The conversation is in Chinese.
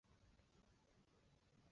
史学家李铭汉次子。